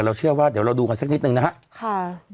เชื่อว่าเดี๋ยวเราดูกันสักนิดนึงนะครับ